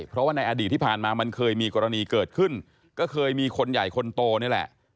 เพราะว่าในอดีตที่ผ่านมามันเคยมีกรณีเกิดขึ้นก็เคยมีคนใหญ่คนโตนี่แหละ